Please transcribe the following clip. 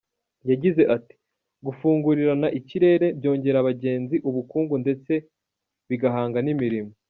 Yagize ati “Gufungurirana ikirere byongera abagenzi, ubukungu ndetse bigahanga n’imirimo.